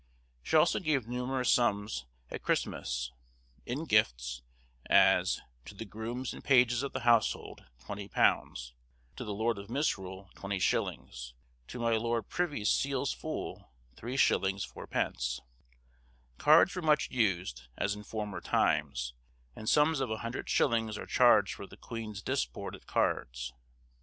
She also gave numerous sums at Christmas, in gifts; as, to the grooms and pages of the household £20; to the lord of Misrule 20_s._; to my lord privy seal's fool 3_s._ 4_d._ Cards were much used, as in former times, and sums of a hundred shillings are charged for the queen's "disporte at cardes."